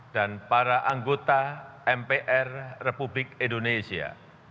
dan para anggota mpr republik indonesia